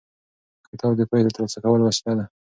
کتاب د پوهې د ترلاسه کولو وسیله ده.